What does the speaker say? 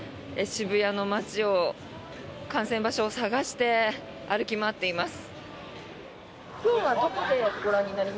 渋谷の街を観戦場所を探して歩き回っています。